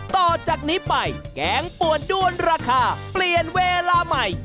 ต่อจากนี้ไปแกงป่วนด้วนราคาเปลี่ยนเวลาใหม่